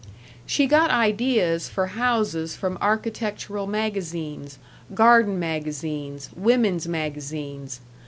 She got ideas for houses from architectural magazines, garden magazines, women's magazines.